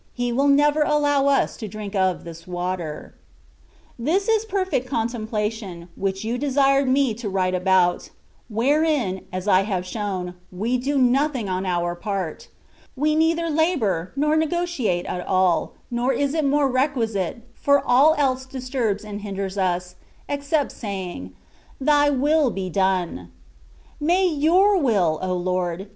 He will never allow us to drink of this water. • This is perfect contemplation, which you desired me to write about ; wherein, as I have shown, we do nothing on our part : we neither labour, nor negotiate at all, nor is more requisite, for all else disturbs and hinders us, except saying :^^ Thy will be done/^ May your will, O Lord!